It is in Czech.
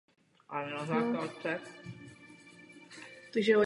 Počátky tenisu v Newportu na Rhode Islandu jsou spjaty s ranou érou amerického tenisu.